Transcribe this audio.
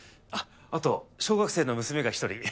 あっあと小学生の娘が１人。